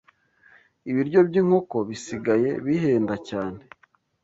ibiryo by'inkoko bisigaye bihenda cyane